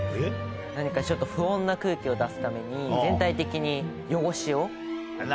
何かちょっと不穏な空気を出すために全体的に。